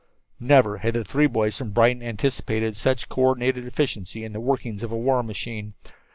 Never had the three boys from Brighton anticipated such co ordinated efficiency in the workings of a war machine.